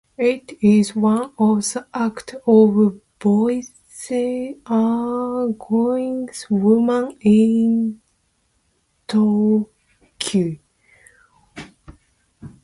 It is one of the acts of violence against women in Turkey.